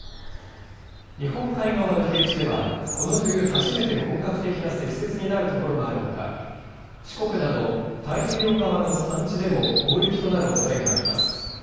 日本海側の平地では、この冬初めて本格的な積雪になる所もあるほか、四国など太平洋側の山地でも大雪となるおそれがあります。